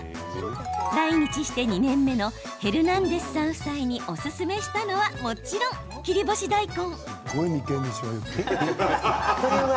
来日して２年目のヘルナンデスさん夫妻におすすめしたのはもちろん切り干し大根。